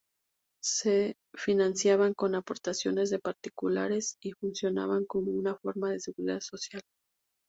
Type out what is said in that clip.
Se financiaban con aportaciones de particulares y funcionaban como una forma de seguridad social.